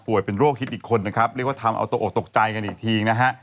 เป็นโรคฮิตอีกคนนะครับเรียกว่าทำเอาตกออกตกใจกันอีกทีนะฮะ